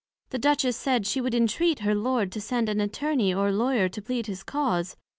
The Duchess said, she would entreat her Lord to send an Attorney or Lawyer to plead his Cause.